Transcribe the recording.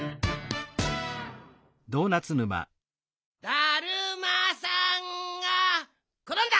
ダルマさんがころんだ！